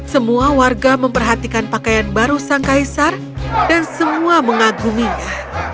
semua warga memperhatikan pakaian baru sang kaisar dan semua mengaguminya